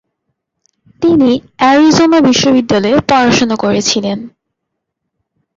তিনি অ্যারিজোনা বিশ্ববিদ্যালয়ে পড়াশোনা করেছিলেন।